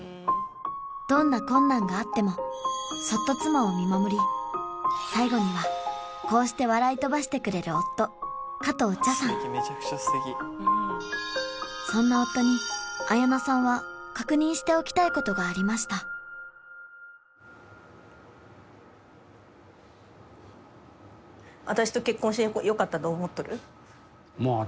どんな困難があってもそっと妻を見守り最後にはこうして笑い飛ばしてくれる夫加藤茶さんそんな夫に綾菜さんは確認しておきたいことがありましたよかったと思ってるよ